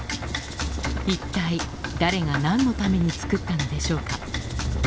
一体誰が何のために作ったのでしょうか。